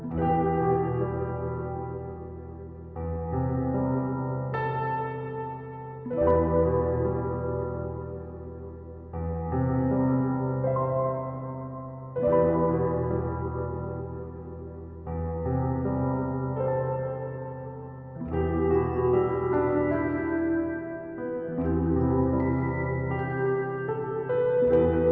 kepala staf angkatan laut